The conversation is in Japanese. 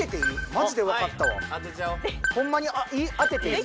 マジで分かったわホンマにいい？